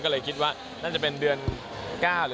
ก็เลยคิดว่าน่าจะเป็นเดือน๙หรือ